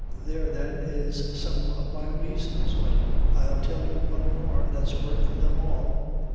There, then, is some of my raisons but I'll tell you one more, that's worth them all.